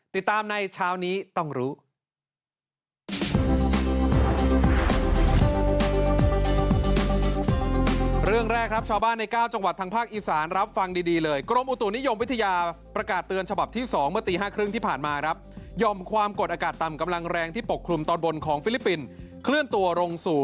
ติดตามในเช้านี้ต้องรู้